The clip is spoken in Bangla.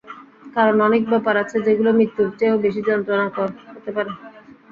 কারণ, অনেক ব্যাপার আছে যেগুলো মৃত্যুর চেয়েও বেশি যন্ত্রণাকর হতে পারে।